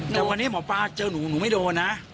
แต่วันนี้หมอปลาเจอหนูหนูไม่โดนนะ